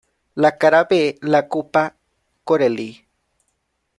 La cara B la ocupa Corelli.